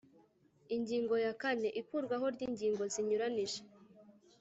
Ingingo ya kane Ikurwaho ry ingingo zinyuranije